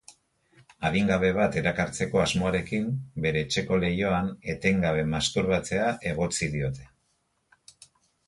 Adingabe bat erakartzeko asmoarekin bere etxeko leihoan etengabe masturbatzea egotzi diote.